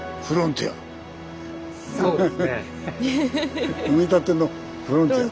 そうですね。